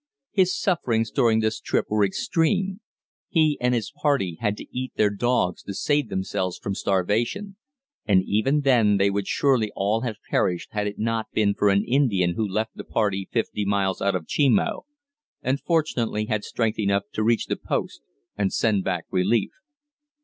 His sufferings during this trip were extreme. He and his party had to eat their dogs to save themselves from starvation, and even then they would surely all have perished had it not been for an Indian who left the party fifty miles out of Chimo and fortunately had strength enough to reach the post and send back relief.